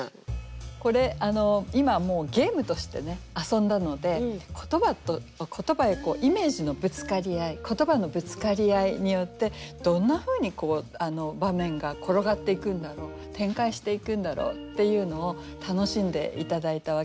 これ今もうゲームとして遊んだので言葉やイメージのぶつかり合い言葉のぶつかり合いによってどんなふうに場面が転がっていくんだろう展開していくんだろうっていうのを楽しんで頂いたわけなんですけれども。